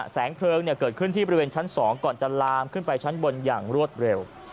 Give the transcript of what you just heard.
แสงเพลิงเกิดขึ้นที่บริเวณชั้น๒ก่อนจะลามขึ้นไปชั้นบนอย่างรวดเร็ว